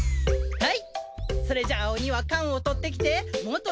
はい。